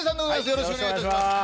お願いします